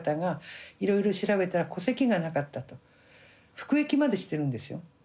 服役までしてるんですよ。